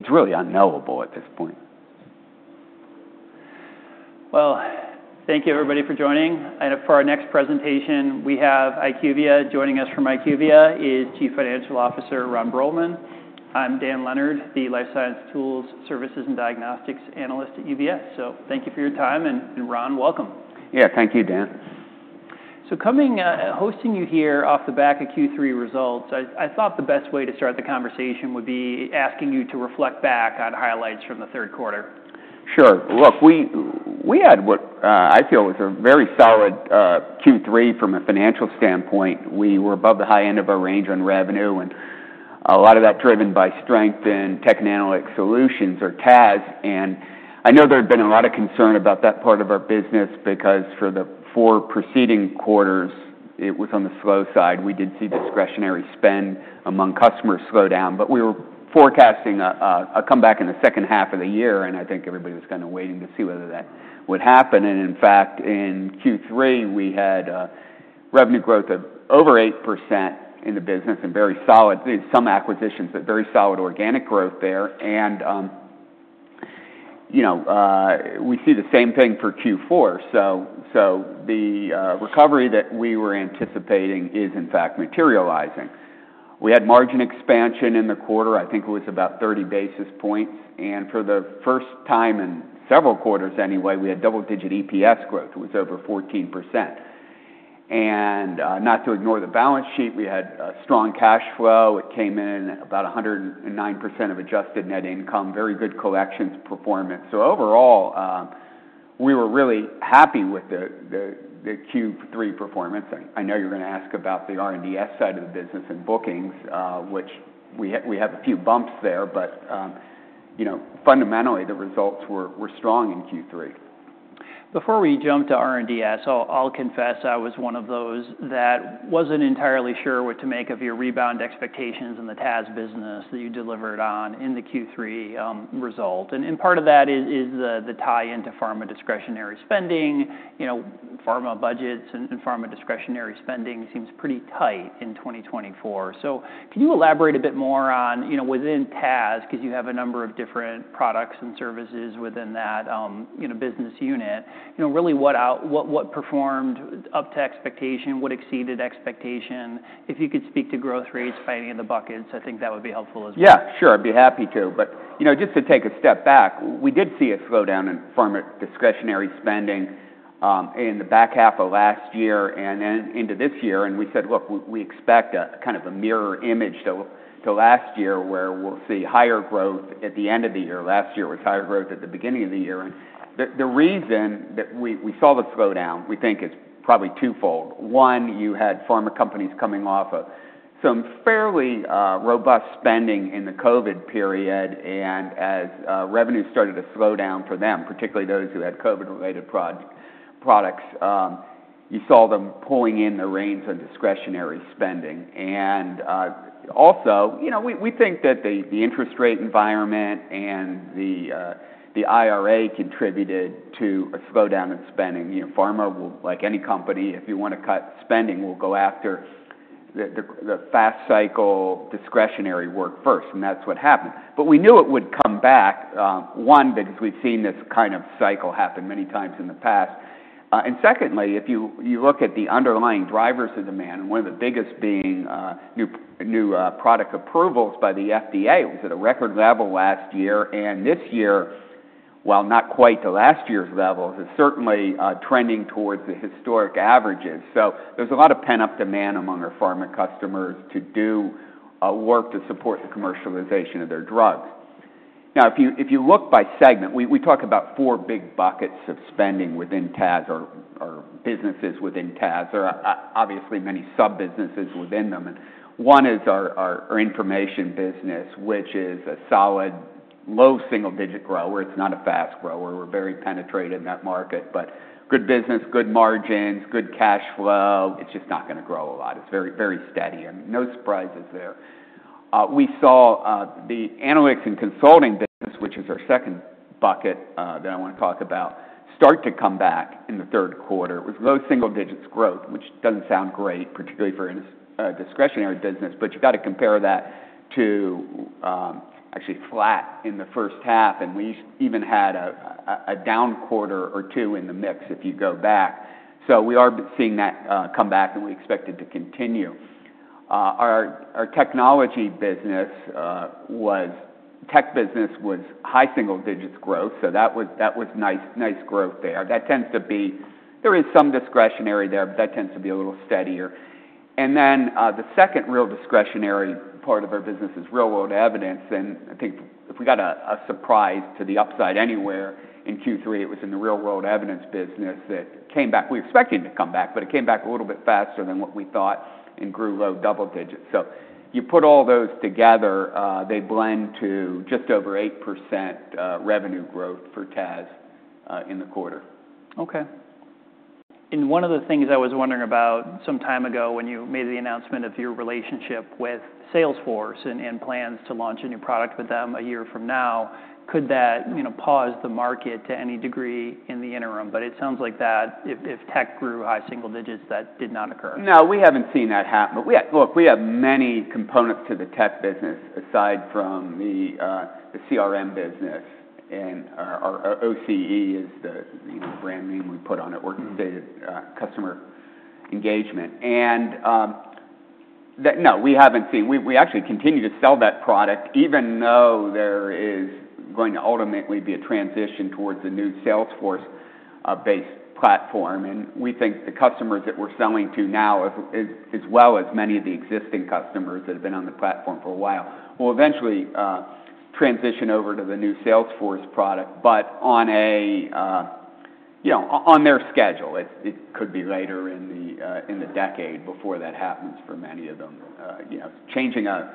It's really unknowable at this point. Thank you, everybody, for joining. For our next presentation, we have IQVIA. Joining us from IQVIA is Chief Financial Officer Ron Bruehlman. I'm Dan Leonard, the Life Science Tools, Services, and Diagnostics Analyst at UBS. Thank you for your time. Ron, welcome. Yeah, thank you, Dan. So coming, hosting you here off the back of Q3 results, I thought the best way to start the conversation would be asking you to reflect back on highlights from the third quarter. Sure. Look, we had what I feel was a very solid Q3 from a financial standpoint. We were above the high end of our range on revenue, and a lot of that driven by strength in Tech and Analytic Solutions, or TAS. And I know there had been a lot of concern about that part of our business because for the four preceding quarters, it was on the slow side. We did see discretionary spend among customers slow down. But we were forecasting a comeback in the second half of the year. And I think everybody was kind of waiting to see whether that would happen. And in fact, in Q3, we had revenue growth of over 8% in the business and very solid, some acquisitions, but very solid organic growth there. And we see the same thing for Q4. So the recovery that we were anticipating is, in fact, materializing. We had margin expansion in the quarter. I think it was about 30 basis points, and for the first time in several quarters, anyway, we had double-digit EPS growth. It was over 14%, and not to ignore the balance sheet, we had strong cash flow. It came in at about 109% of adjusted net income. Very good collections performance, so overall, we were really happy with the Q3 performance. I know you're going to ask about the R&DS side of the business and bookings, which we have a few bumps there, but fundamentally, the results were strong in Q3. Before we jump to R&DS, I'll confess I was one of those that wasn't entirely sure what to make of your rebound expectations in the TAS business that you delivered on in the Q3 result. And part of that is the tie-in to pharma discretionary spending. Pharma budgets and pharma discretionary spending seems pretty tight in 2024. So can you elaborate a bit more on, within TAS, because you have a number of different products and services within that business unit, really what performed up to expectation, what exceeded expectation? If you could speak to growth rates by any of the buckets, I think that would be helpful as well. Yeah, sure. I'd be happy to. But just to take a step back, we did see a slowdown in pharma discretionary spending in the back half of last year and then into this year. And we said, "Look, we expect a kind of a mirror image to last year where we'll see higher growth at the end of the year." Last year was higher growth at the beginning of the year. And the reason that we saw the slowdown, we think, is probably twofold. One, you had pharma companies coming off of some fairly robust spending in the COVID period. And as revenues started to slow down for them, particularly those who had COVID-related products, you saw them pulling in the reins on discretionary spending. And also, we think that the interest rate environment and the IRA contributed to a slowdown in spending. Pharma, like any company, if you want to cut spending, will go after the fast-cycle discretionary work first. And that's what happened. But we knew it would come back, one, because we've seen this kind of cycle happen many times in the past. And secondly, if you look at the underlying drivers of demand, one of the biggest being new product approvals by the FDA. It was at a record level last year. And this year, while not quite to last year's levels, is certainly trending towards the historic averages. So there's a lot of pent-up demand among our pharma customers to do work to support the commercialization of their drugs. Now, if you look by segment, we talk about four big buckets of spending within TAS or businesses within TAS. There are obviously many sub-businesses within them. One is our information business, which is a solid, low single-digit grower. It's not a fast grower. We're very penetrated in that market. But good business, good margins, good cash flow. It's just not going to grow a lot. It's very steady. No surprises there. We saw the analytics and consulting business, which is our second bucket that I want to talk about, start to come back in the third quarter. It was low single-digits growth, which doesn't sound great, particularly for a discretionary business. But you've got to compare that to actually flat in the first half. And we even had a down quarter or two in the mix if you go back. So we are seeing that come back, and we expect it to continue. Our technology business, tech business, was high single-digits growth. So that was nice growth there. There is some discretionary there, but that tends to be a little steadier, and then the second real discretionary part of our business is real-world evidence, and I think if we got a surprise to the upside anywhere in Q3, it was in the real-world evidence business that came back. We expected it to come back, but it came back a little bit faster than what we thought and grew low double digits, so you put all those together, they blend to just over 8% revenue growth for TAS in the quarter. Okay. And one of the things I was wondering about some time ago when you made the announcement of your relationship with Salesforce and plans to launch a new product with them a year from now, could that pause the market to any degree in the interim? But it sounds like that if tech grew high single digits, that did not occur. No, we haven't seen that happen. Look, we have many components to the tech business aside from the CRM business, and our OCE is the brand name we put on it, Orchestrated Customer Engagement. We actually continue to sell that product even though there is going to ultimately be a transition towards a new Salesforce-based platform, and we think the customers that we're selling to now, as well as many of the existing customers that have been on the platform for a while, will eventually transition over to the new Salesforce product, but on their schedule. It could be later in the decade before that happens for many of them. Changing a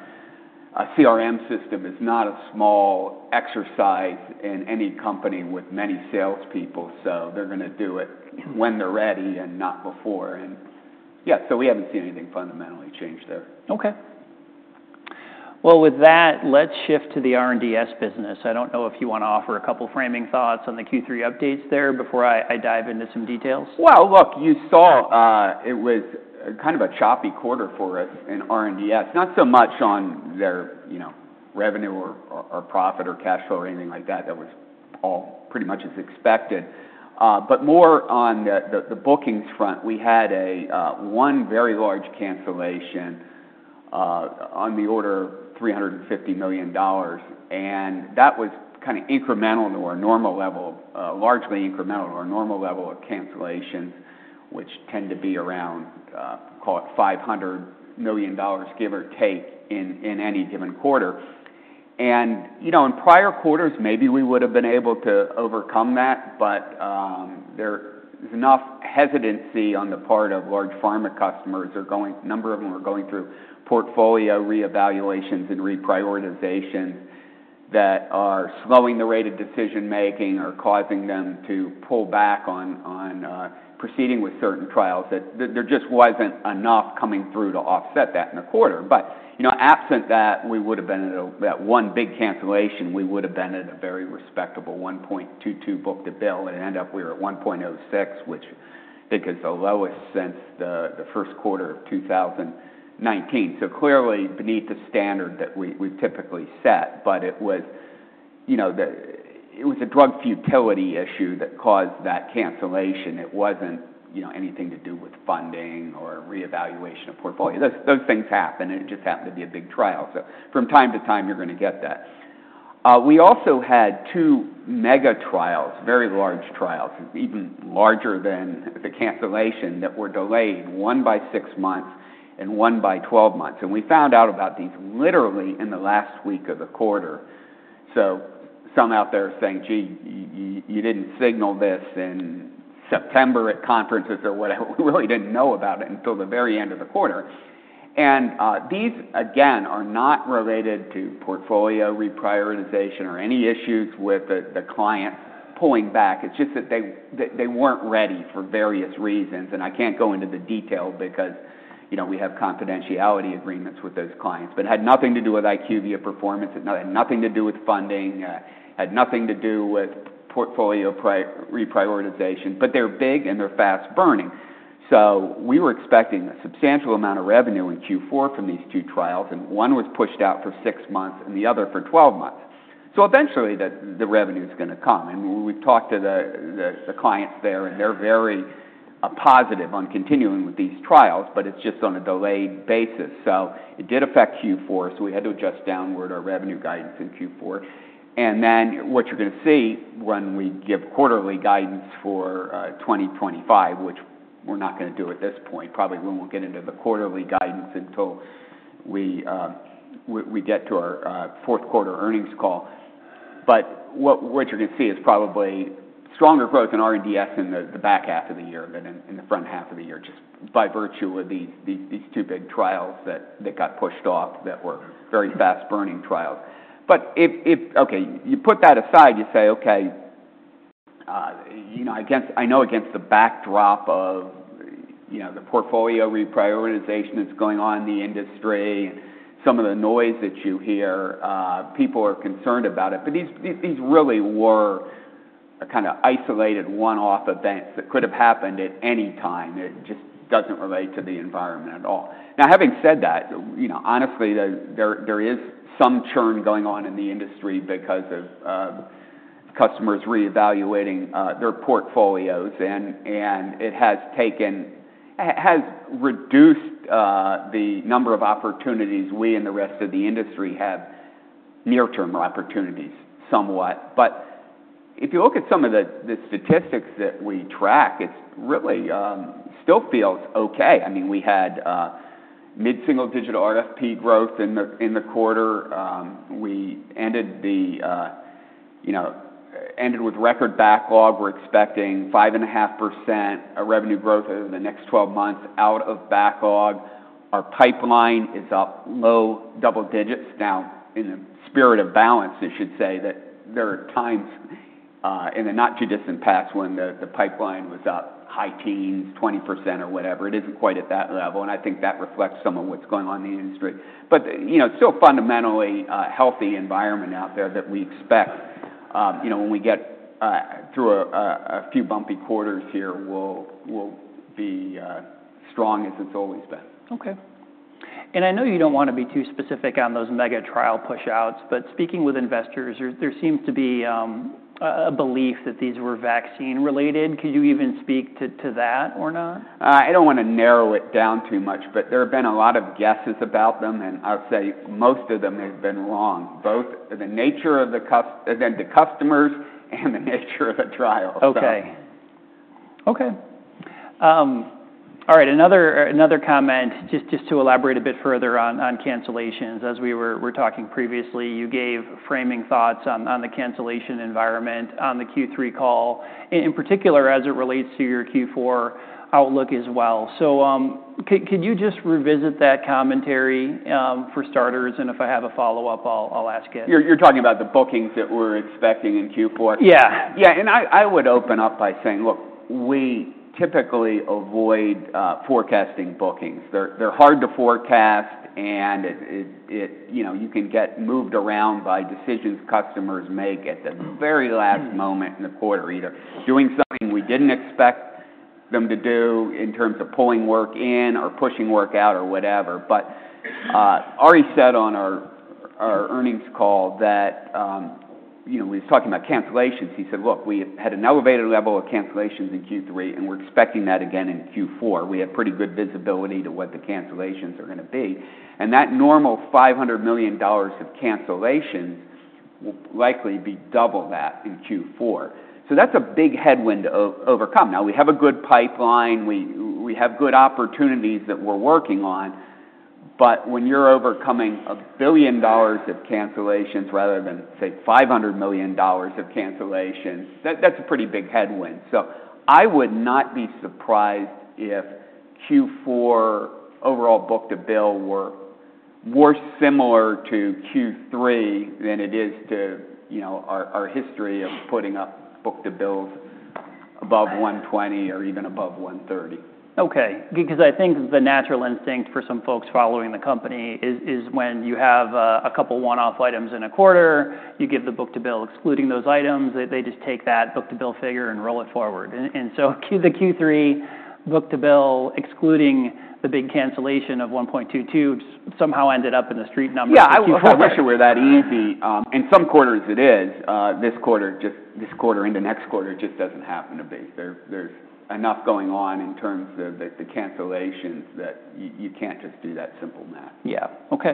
CRM system is not a small exercise in any company with many salespeople, so they're going to do it when they're ready and not before. Yeah, so we haven't seen anything fundamentally change there. Okay. Well, with that, let's shift to the R&DS business. I don't know if you want to offer a couple of framing thoughts on the Q3 updates there before I dive into some details. Well, look, you saw it was kind of a choppy quarter for us in R&DS. Not so much on their revenue or profit or cash flow or anything like that. That was all pretty much as expected. But more on the bookings front, we had one very large cancellation on the order of $350 million. And that was kind of incremental to our normal level, largely incremental to our normal level of cancellations, which tend to be around, call it, $500 million, give or take, in any given quarter. And in prior quarters, maybe we would have been able to overcome that. But there is enough hesitancy on the part of large pharma customers. A number of them are going through portfolio reevaluations and reprioritizations that are slowing the rate of decision-making or causing them to pull back on proceeding with certain trials. There just wasn't enough coming through to offset that in the quarter, but absent that, we would have been at that one big cancellation. We would have been at a very respectable 1.22 book to bill, and it ended up we were at 1.06, which I think is the lowest since the first quarter of 2019, so clearly beneath the standard that we've typically set, but it was a drug futility issue that caused that cancellation. It wasn't anything to do with funding or reevaluation of portfolio. Those things happen. It just happened to be a big trial, so from time to time, you're going to get that. We also had two mega trials, very large trials, even larger than the cancellation, that were delayed, one by six months and one by 12 months, and we found out about these literally in the last week of the quarter. So some out there are saying, "Gee, you didn't signal this in September at conferences or whatever. We really didn't know about it until the very end of the quarter." And these, again, are not related to portfolio reprioritization or any issues with the client pulling back. It's just that they weren't ready for various reasons. And I can't go into the detail because we have confidentiality agreements with those clients. But it had nothing to do with IQVIA performance. It had nothing to do with funding. It had nothing to do with portfolio reprioritization. But they're big and they're fast-burning. So we were expecting a substantial amount of revenue in Q4 from these two trials. And one was pushed out for six months and the other for 12 months. So eventually, the revenue is going to come. And we've talked to the clients there, and they're very positive on continuing with these trials, but it's just on a delayed basis. So it did affect Q4. So we had to adjust downward our revenue guidance in Q4. And then what you're going to see when we give quarterly guidance for 2025, which we're not going to do at this point, probably we won't get into the quarterly guidance until we get to our fourth quarter earnings call. But what you're going to see is probably stronger growth in R&DS in the back half of the year than in the front half of the year, just by virtue of these two big trials that got pushed off that were very fast-burning trials. But, okay, you put that aside, you say, "Okay, I know against the backdrop of the portfolio reprioritization that's going on in the industry and some of the noise that you hear, people are concerned about it." But these really were a kind of isolated, one-off events that could have happened at any time. It just doesn't relate to the environment at all. Now, having said that, honestly, there is some churn going on in the industry because of customers reevaluating their portfolios. And it has reduced the number of opportunities we and the rest of the industry have, near-term opportunities, somewhat. But if you look at some of the statistics that we track, it really still feels okay. I mean, we had mid-single-digit RFP growth in the quarter. We ended with record backlog. We're expecting 5.5% revenue growth over the next 12 months out of backlog. Our pipeline is up low double digits. Now, in the spirit of balance, I should say that there are times in the not-too-distant past when the pipeline was up high teens, 20% or whatever. It isn't quite at that level. And I think that reflects some of what's going on in the industry. But still fundamentally a healthy environment out there that we expect when we get through a few bumpy quarters here, we'll be strong as it's always been. Okay. And I know you don't want to be too specific on those mega trial push-outs. But speaking with investors, there seems to be a belief that these were vaccine-related. Could you even speak to that or not? I don't want to narrow it down too much, but there have been a lot of guesses about them, and I'll say most of them have been wrong, both the nature of the customers and the nature of the trials. All right. Another comment, just to elaborate a bit further on cancellations. As we were talking previously, you gave framing thoughts on the cancellation environment on the Q3 call, in particular as it relates to your Q4 outlook as well. So could you just revisit that commentary for starters? And if I have a follow-up, I'll ask it. You're talking about the bookings that we're expecting in Q4? Yeah. Yeah. And I would open up by saying, "Look, we typically avoid forecasting bookings. They're hard to forecast, and you can get moved around by decisions customers make at the very last moment in the quarter, either doing something we didn't expect them to do in terms of pulling work in or pushing work out or whatever." But Ari said on our earnings call that we were talking about cancellations. He said, "Look, we had an elevated level of cancellations in Q3, and we're expecting that again in Q4. We have pretty good visibility to what the cancellations are going to be." And that normal $500 million of cancellations will likely be double that in Q4. So that's a big headwind to overcome. Now, we have a good pipeline. We have good opportunities that we're working on. But when you're overcoming $1 billion of cancellations rather than, say, $500 million of cancellations, that's a pretty big headwind. So I would not be surprised if Q4 overall book to bill were more similar to Q3 than it is to our history of putting up book to bills above 120 or even above 130. Okay. Because I think the natural instinct for some folks following the company is when you have a couple of one-off items in a quarter, you give the book to bill excluding those items, they just take that book to bill figure and roll it forward. And so the Q3 book to bill excluding the big cancellation of 1.22 somehow ended up in the street numbers for Q4. Yeah. I wouldn't wish it were that easy. In some quarters, it is. This quarter, just this quarter and the next quarter just doesn't happen to be. There's enough going on in terms of the cancellations that you can't just do that simple math. Yeah. Okay.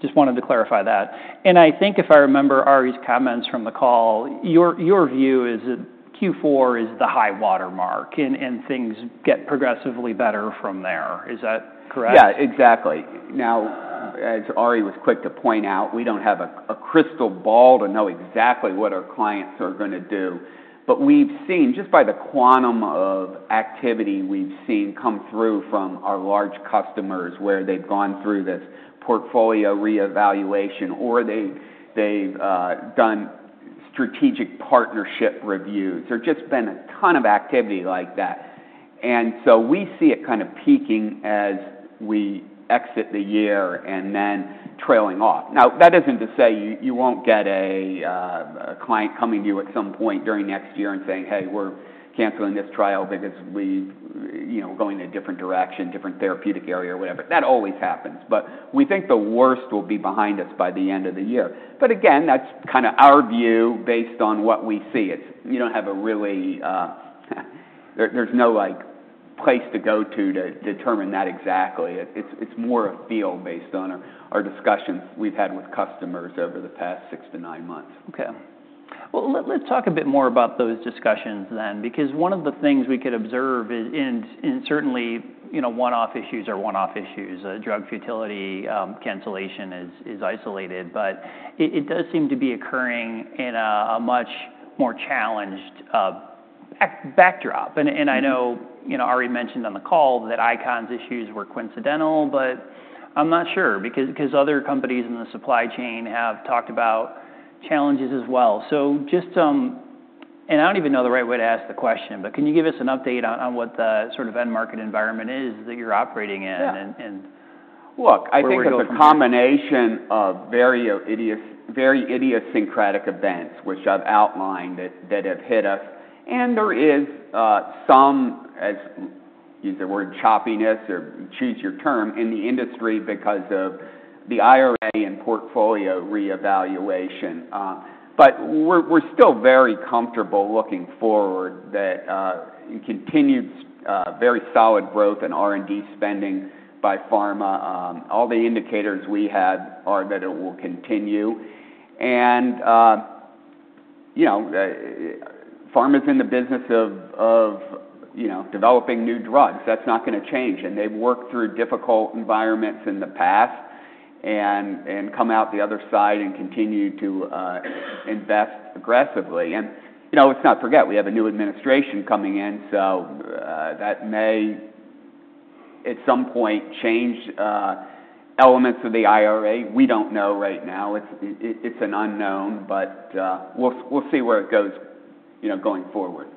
Just wanted to clarify that, and I think if I remember Ari's comments from the call, your view is that Q4 is the high water mark and things get progressively better from there. Is that correct? Yeah, exactly. Now, as Ari was quick to point out, we don't have a crystal ball to know exactly what our clients are going to do. But we've seen, just by the quantum of activity we've seen come through from our large customers where they've gone through this portfolio reevaluation or they've done strategic partnership reviews. There's just been a ton of activity like that. And so we see it kind of peaking as we exit the year and then trailing off. Now, that isn't to say you won't get a client coming to you at some point during next year and saying, "Hey, we're canceling this trial because we're going in a different direction, different therapeutic area," or whatever. That always happens. But we think the worst will be behind us by the end of the year. But again, that's kind of our view based on what we see. You don't have a real way. There's no place to go to determine that exactly. It's more a feel based on our discussions we've had with customers over the past six to nine months. Okay. Well, let's talk a bit more about those discussions then. Because one of the things we could observe is, and certainly one-off issues are one-off issues. Drug futility cancellation is isolated. But it does seem to be occurring in a much more challenged backdrop. And I know Ari mentioned on the call that ICON's issues were coincidental, but I'm not sure because other companies in the supply chain have talked about challenges as well. So just, and I don't even know the right way to ask the question, but can you give us an update on what the sort of end market environment is that you're operating in? Look, I think it's a combination of very idiosyncratic events, which I've outlined, that have hit us. And there is some, use the word choppiness or choose your term in the industry because of the IRA and portfolio reevaluation. But we're still very comfortable looking forward that continued very solid growth in R&D spending by pharma. All the indicators we had are that it will continue. And pharma is in the business of developing new drugs. That's not going to change. And they've worked through difficult environments in the past and come out the other side and continue to invest aggressively. And let's not forget, we have a new administration coming in. So that may at some point change elements of the IRA. We don't know right now. It's an unknown. But we'll see where it goes going forward.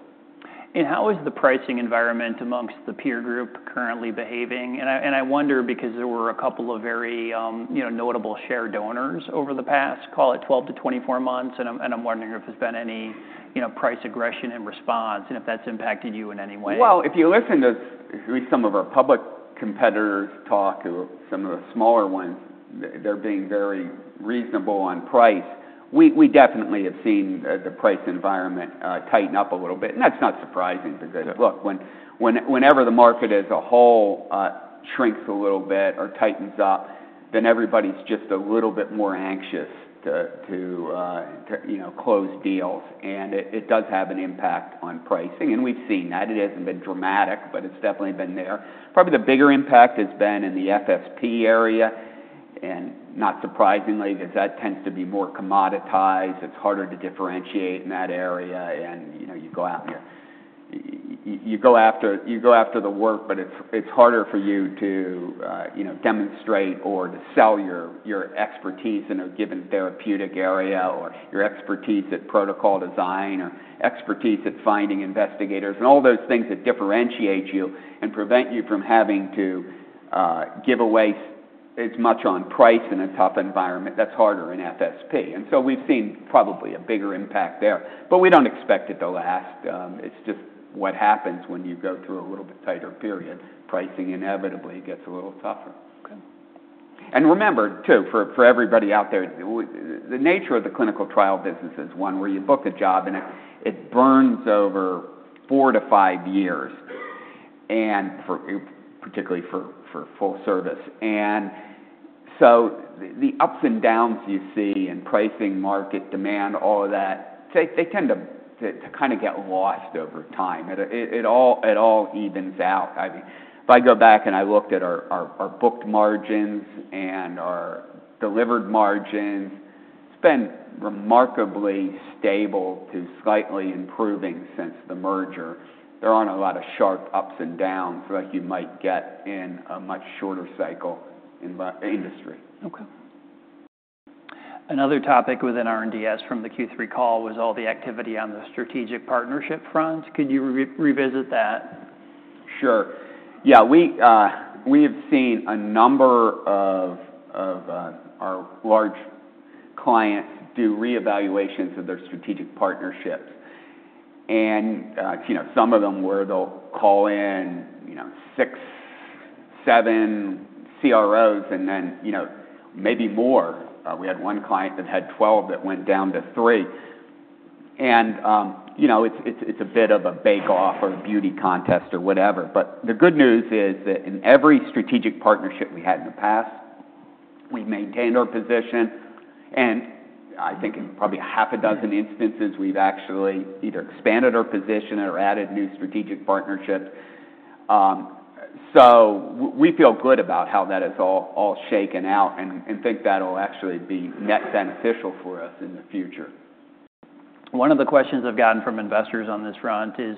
How is the pricing environment among the peer group currently behaving? I wonder because there were a couple of very notable share donors over the past, call it 12 to 24 months. I'm wondering if there's been any price aggression in response and if that's impacted you in any way? If you listen to some of our public competitors talk or some of the smaller ones, they're being very reasonable on price. We definitely have seen the price environment tighten up a little bit. That's not surprising because, look, whenever the market as a whole shrinks a little bit or tightens up, then everybody's just a little bit more anxious to close deals. It does have an impact on pricing. We've seen that. It hasn't been dramatic, but it's definitely been there. Probably the bigger impact has been in the FSP area. Not surprisingly, because that tends to be more commoditized, it's harder to differentiate in that area. And you go out and you go after the work, but it's harder for you to demonstrate or to sell your expertise in a given therapeutic area or your expertise at protocol design or expertise at finding investigators and all those things that differentiate you and prevent you from having to give away as much on price in a tough environment. That's harder in FSP. And so we've seen probably a bigger impact there. But we don't expect it to last. It's just what happens when you go through a little bit tighter period. Pricing inevitably gets a little tougher. Okay. And remember too, for everybody out there, the nature of the clinical trial business is one where you book a job and it burns over four to five years, particularly for full service. And so the ups and downs you see in pricing, market demand, all of that, they tend to kind of get lost over time. It all evens out. If I go back and I looked at our booked margins and our delivered margins, it's been remarkably stable to slightly improving since the merger. There aren't a lot of sharp ups and downs like you might get in a much shorter cycle in the industry. Okay. Another topic within R&DS from the Q3 call was all the activity on the strategic partnership front. Could you revisit that? Sure. Yeah. We have seen a number of our large clients do reevaluations of their strategic partnerships. And some of them where they'll call in six, seven CROs and then maybe more. We had one client that had 12 that went down to three. And it's a bit of a bake-off or a beauty contest or whatever. But the good news is that in every strategic partnership we had in the past, we maintained our position. And I think in probably a half a dozen instances, we've actually either expanded our position or added new strategic partnerships. So we feel good about how that has all shaken out and think that'll actually be net beneficial for us in the future. One of the questions I've gotten from investors on this front is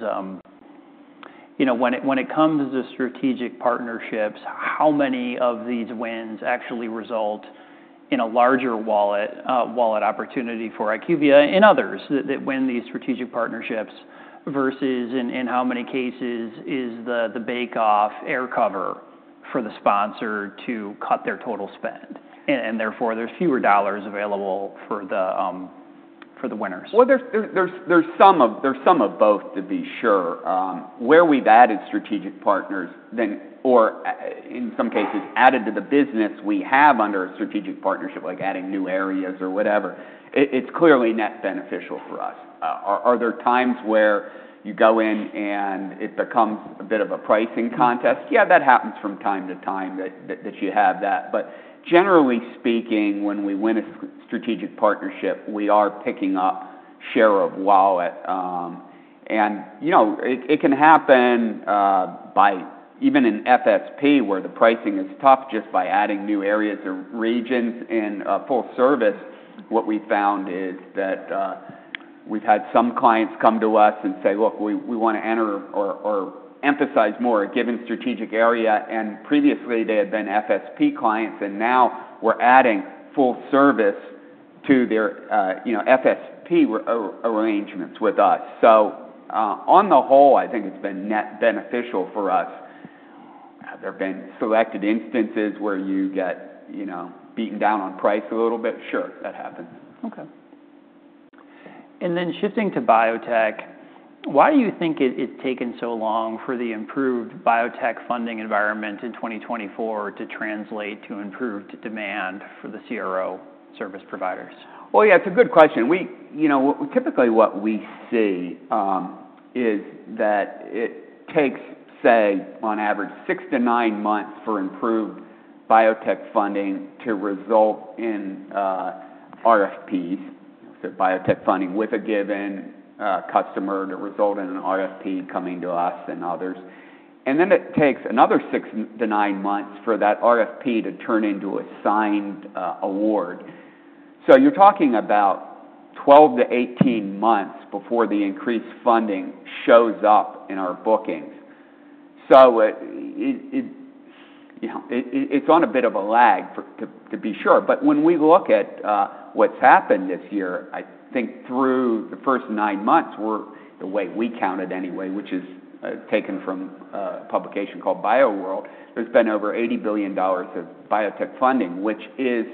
when it comes to strategic partnerships, how many of these wins actually result in a larger wallet opportunity for IQVIA and others that win these strategic partnerships versus in how many cases is the bake-off air cover for the sponsor to cut their total spend? And therefore, there's fewer dollars available for the winners. There's some of both, to be sure. Where we've added strategic partners or in some cases added to the business we have under a strategic partnership, like adding new areas or whatever, it's clearly net beneficial for us. Are there times where you go in and it becomes a bit of a pricing contest? Yeah, that happens from time to time that you have that. But generally speaking, when we win a strategic partnership, we are picking up share of wallet. And it can happen by even in FSP where the pricing is tough just by adding new areas or regions in full service. What we found is that we've had some clients come to us and say, "Look, we want to enter or emphasize more a given strategic area." And previously, they had been FSP clients. And now we're adding full service to their FSP arrangements with us. So on the whole, I think it's been net beneficial for us. There have been selected instances where you get beaten down on price a little bit. Sure, that happens. Okay. And then shifting to biotech, why do you think it's taken so long for the improved biotech funding environment in 2024 to translate to improved demand for the CRO service providers? Yeah, it's a good question. Typically, what we see is that it takes, say, on average, six to nine months for improved biotech funding to result in RFPs, so biotech funding with a given customer to result in an RFP coming to us and others. Then it takes another six to nine months for that RFP to turn into a signed award. You're talking about 12 to 18 months before the increased funding shows up in our bookings. It's on a bit of a lag, to be sure. When we look at what's happened this year, I think through the first nine months, the way we counted anyway, which is taken from a publication called BioWorld, there's been over $80 billion of biotech funding, which is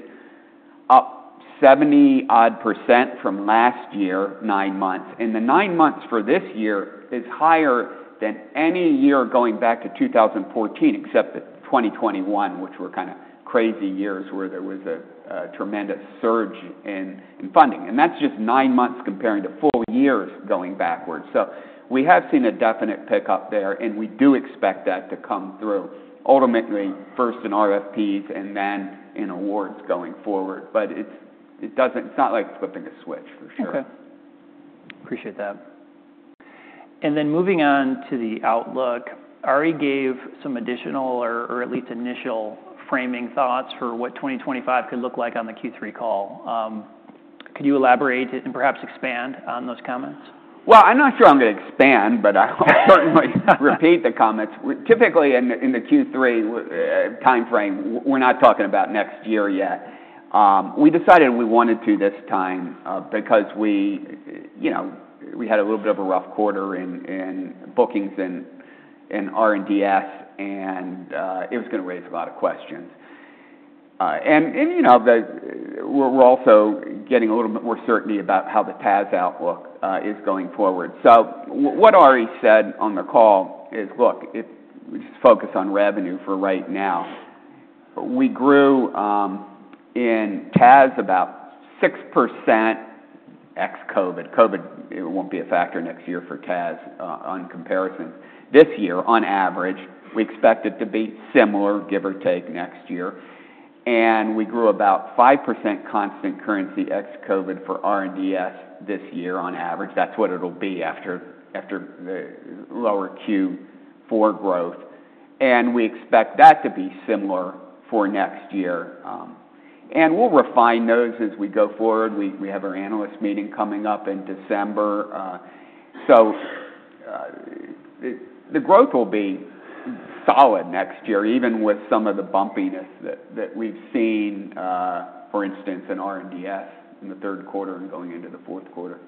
up 70-odd% from last year, nine months. And the nine months for this year is higher than any year going back to 2014, except 2021, which were kind of crazy years where there was a tremendous surge in funding. And that's just nine months comparing to full years going backwards. So we have seen a definite pickup there. And we do expect that to come through ultimately first in RFPs and then in awards going forward. But it's not like flipping a switch, for sure. Okay. Appreciate that, and then moving on to the outlook, Ari gave some additional or at least initial framing thoughts for what 2025 could look like on the Q3 call. Could you elaborate and perhaps expand on those comments? Well, I'm not sure I'm going to expand, but I'll certainly repeat the comments. Typically, in the Q3 timeframe, we're not talking about next year yet. We decided we wanted to this time because we had a little bit of a rough quarter in bookings in R&DS, and it was going to raise a lot of questions. We're also getting a little bit more certainty about how the TAS outlook is going forward. So what Ari said on the call is, "Look, we just focus on revenue for right now." We grew in TAS about 6% ex-COVID. COVID won't be a factor next year for TAS on comparisons. This year, on average, we expect it to be similar, give or take, next year. We grew about 5% constant currency ex-COVID for R&DS this year on average. That's what it'll be after the lower Q4 growth. And we expect that to be similar for next year. And we'll refine those as we go forward. We have our analyst meeting coming up in December. So the growth will be solid next year, even with some of the bumpiness that we've seen, for instance, in R&DS in the third quarter and going into the fourth quarter.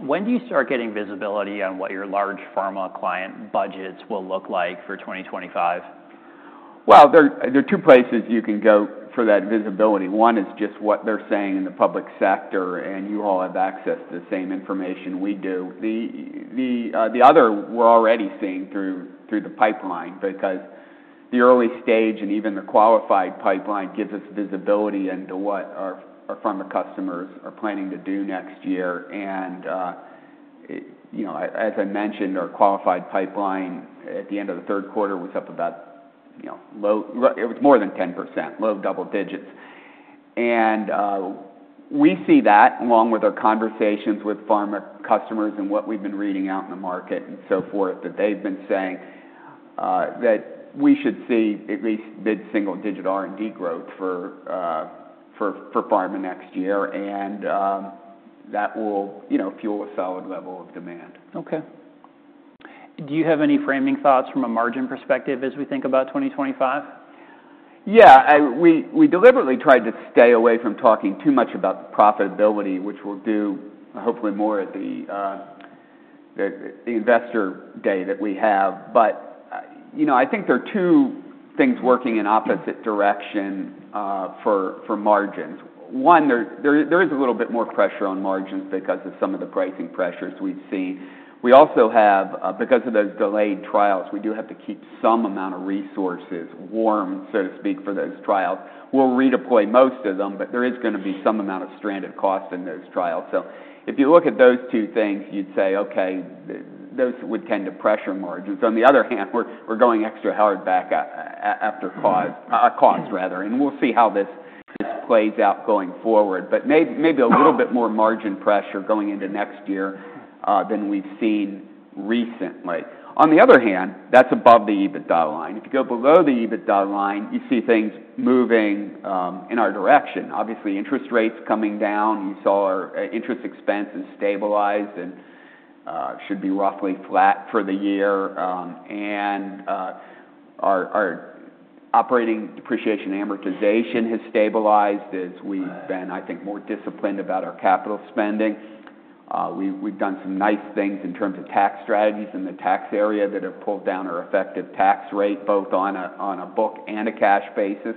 When do you start getting visibility on what your large pharma client budgets will look like for 2025? There are two places you can go for that visibility. One is just what they're saying in the public sector, and you all have access to the same information we do. The other we're already seeing through the pipeline because the early stage and even the qualified pipeline gives us visibility into what our pharma customers are planning to do next year. And as I mentioned, our qualified pipeline at the end of the third quarter was up about low double digits. It was more than 10%, low double digits. And we see that along with our conversations with pharma customers and what we've been reading out in the market and so forth that they've been saying that we should see at least mid-single-digit R&D growth for pharma next year. And that will fuel a solid level of demand. Okay. Do you have any framing thoughts from a margin perspective as we think about 2025? Yeah. We deliberately tried to stay away from talking too much about profitability, which we'll do hopefully more at the investor day that we have. But I think there are two things working in opposite direction for margins. One, there is a little bit more pressure on margins because of some of the pricing pressures we've seen. We also have, because of those delayed trials, we do have to keep some amount of resources warm, so to speak, for those trials. We'll redeploy most of them, but there is going to be some amount of stranded cost in those trials. So if you look at those two things, you'd say, "Okay, those would tend to pressure margins." On the other hand, we're going extra hard back after cost, cost rather. We'll see how this plays out going forward, but maybe a little bit more margin pressure going into next year than we've seen recently. On the other hand, that's above the EBITDA line. If you go below the EBITDA line, you see things moving in our direction. Obviously, interest rates coming down. You saw our interest expense has stabilized and should be roughly flat for the year. Our operating depreciation amortization has stabilized as we've been, I think, more disciplined about our capital spending. We've done some nice things in terms of tax strategies in the tax area that have pulled down our effective tax rate both on a book and a cash basis.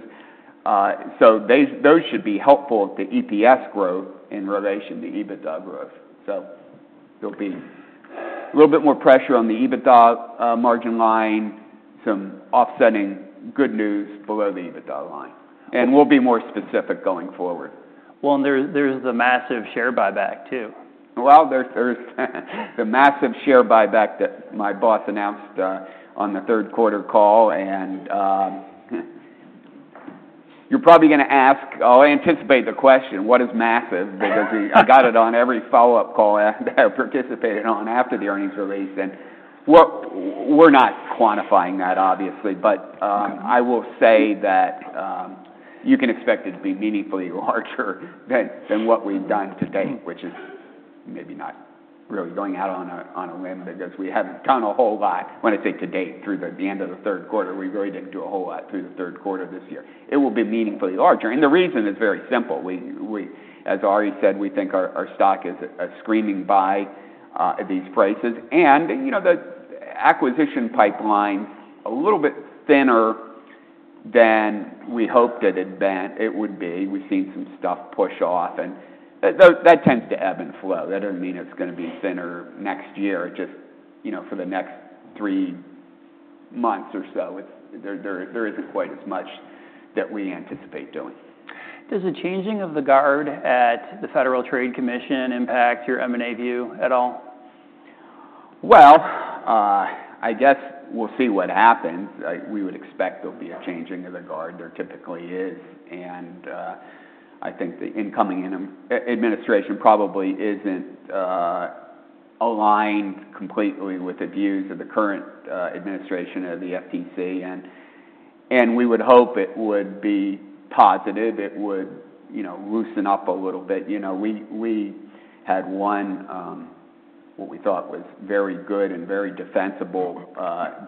Those should be helpful to EPS growth in relation to EBITDA growth. There'll be a little bit more pressure on the EBITDA margin line, some offsetting good news below the EBITDA line. We'll be more specific going forward. Well, and there's the massive share buyback too. There's the massive share buyback that my boss announced on the third quarter call. You're probably going to ask, "I anticipate the question, what is massive?" Because I got it on every follow-up call that I participated on after the earnings release. We're not quantifying that, obviously. I will say that you can expect it to be meaningfully larger than what we've done to date, which is maybe not really going out on a whim because we haven't done a whole lot. When I say to date, through the end of the third quarter, we really didn't do a whole lot through the third quarter this year. It will be meaningfully larger. The reason is very simple. As Ari said, we think our stock is a screaming buy at these prices. The acquisition pipeline is a little bit thinner than we hoped it would be. We've seen some stuff push off, and that tends to ebb and flow. That doesn't mean it's going to be thinner next year. Just for the next three months or so, there isn't quite as much that we anticipate doing. Does the changing of the guard at the Federal Trade Commission impact your M&A view at all? I guess we'll see what happens. We would expect there'll be a changing of the guard. There typically is. And I think the incoming administration probably isn't aligned completely with the views of the current administration of the FTC. And we would hope it would be positive. It would loosen up a little bit. We had won what we thought was very good and very defensible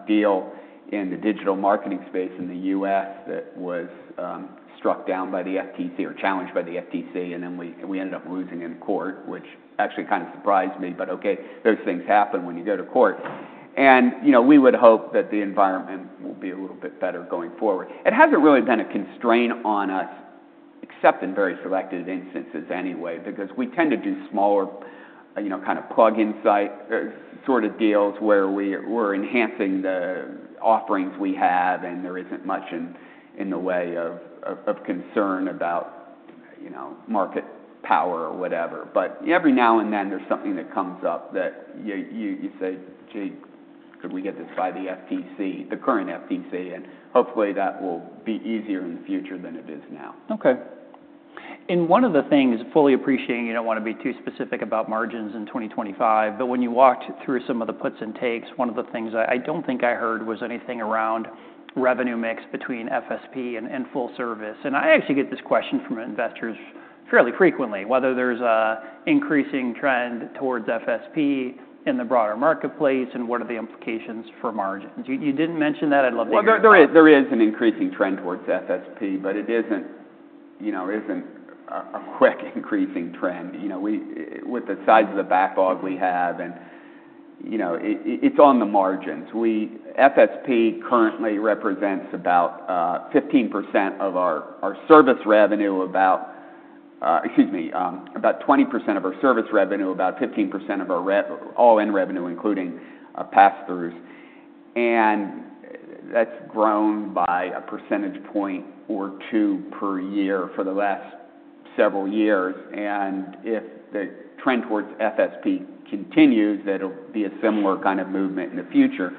deal in the digital marketing space in the U.S. that was struck down by the FTC or challenged by the FTC. And then we ended up losing in court, which actually kind of surprised me. But okay, those things happen when you go to court. And we would hope that the environment will be a little bit better going forward. It hasn't really been a constraint on us, except in very selected instances anyway, because we tend to do smaller kind of plug-in site sort of deals where we're enhancing the offerings we have. And there isn't much in the way of concern about market power or whatever. But every now and then, there's something that comes up that you say, "Gee, could we get this by the FTC, the current FTC?" And hopefully, that will be easier in the future than it is now. Okay. And one of the things, fully appreciating you don't want to be too specific about margins in 2025, but when you walked through some of the puts and takes, one of the things I don't think I heard was anything around revenue mix between FSP and full service. And I actually get this question from investors fairly frequently, whether there's an increasing trend towards FSP in the broader marketplace and what are the implications for margins. You didn't mention that. I'd love to hear that. There is an increasing trend towards FSP, but it isn't a quick increasing trend. With the size of the backlog we have, and it's on the margins. FSP currently represents about 15% of our service revenue, excuse me, about 20% of our service revenue, about 15% of our all-in revenue, including pass-throughs. And that's grown by a percentage point or two per year for the last several years. And if the trend towards FSP continues, that'll be a similar kind of movement in the future.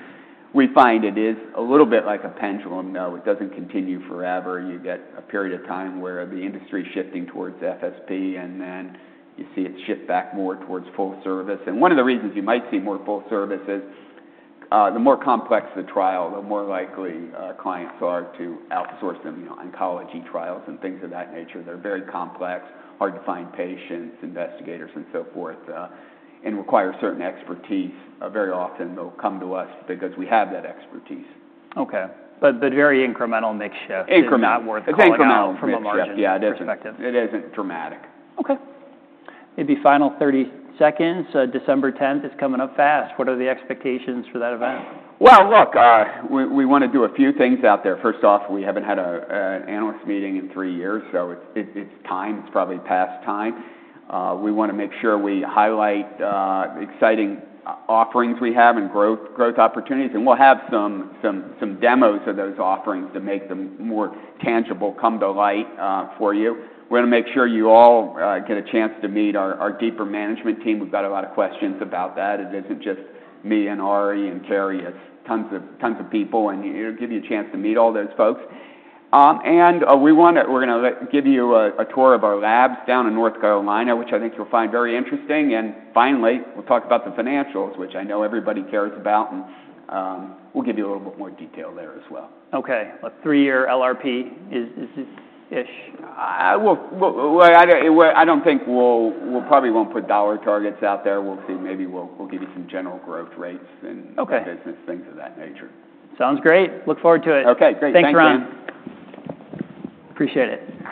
We find it is a little bit like a pendulum though. It doesn't continue forever. You get a period of time where the industry is shifting towards FSP, and then you see it shift back more towards full service. One of the reasons you might see more full service is the more complex the trial, the more likely clients are to outsource them, oncology trials and things of that nature. They're very complex, hard to find patients, investigators, and so forth, and require certain expertise. Very often, they'll come to us because we have that expertise. Okay. But very incremental mixture. Incremental. It's not worthwhile from a margin perspective. Yeah, it isn't dramatic. Okay. Maybe final 30 seconds. December 10th is coming up fast. What are the expectations for that event? Look, we want to do a few things out there. First off, we haven't had an analyst meeting in three years, so it's time. It's probably past time. We want to make sure we highlight exciting offerings we have and growth opportunities. And we'll have some demos of those offerings to make them more tangible, come to light for you. We're going to make sure you all get a chance to meet our deeper management team. We've got a lot of questions about that. It isn't just me and Ari and Kerri. And it'll give you a chance to meet all those folks. And we're going to give you a tour of our labs down in North Carolina, which I think you'll find very interesting. And finally, we'll talk about the financials, which I know everybody cares about. We'll give you a little bit more detail there as well. Okay. A three-year LRP-ish? I don't think we'll probably put dollar targets out there. We'll see. Maybe we'll give you some general growth rates and business things of that nature. Sounds great. Look forward to it. Okay. Great. Thanks, man. Thanks, Ron. Appreciate it.